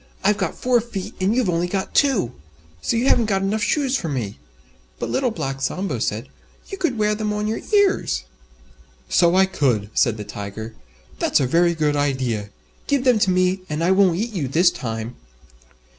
I've got four feet and you've got only two." "You haven't got enough shoes for me." But Little Black Sambo said, "You could wear them on your ears." "So I could," said the Tiger, "that's a very good idea. Give them to me, and I won't eat you this time."